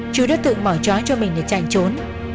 chữ đã tự mở trói cho mình để chạy trốn